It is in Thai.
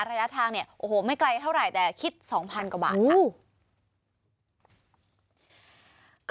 ระยะทางเนี่ยโอ้โหไม่ไกลเท่าไหร่แต่คิด๒๐๐๐กว่าบาทค่ะ